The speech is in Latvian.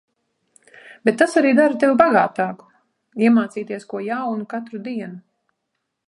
Bet tas arī dara tevi bagātāku-iemācīties ko jaunu katru dienu.